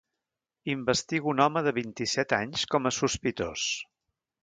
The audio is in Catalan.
Investiga un home de vint-i-set anys com a sospitós.